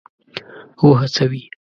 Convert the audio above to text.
وهڅوي.